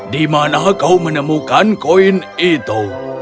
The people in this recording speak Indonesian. di mana kau menemukan koin itu